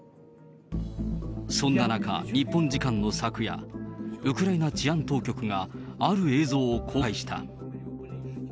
そんな中、日本時間の昨夜、ウクライナ治安当局がある映像を公開した。